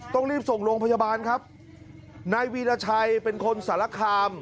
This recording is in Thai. ต้องรีบส่งโรงพยาบาลครับนายวีรชัยเป็นคนสารคาม